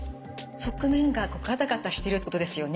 側面がガタガタしてるってことですよね。